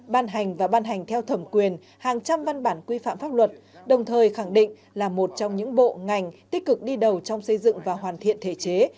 ban hành và ban hành theo thẩm quyền hàng trăm văn bản quy phạm pháp luật đồng thời khẳng định là một trong những bộ ngành tích cực đi đầu trong xây dựng và hoàn thiện thể chế